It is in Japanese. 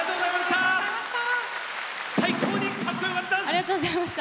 最高にかっこよかったっす！